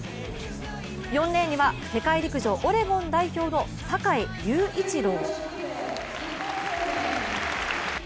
４レーンには世界陸上オレゴン代表の坂井隆一郎。